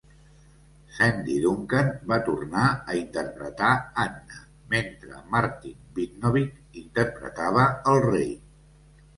Sandy Duncan va tornar a interpretar Anna, mentre Martin Vidnovic interpretava el rei.